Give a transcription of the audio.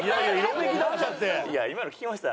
いや今の聞きました？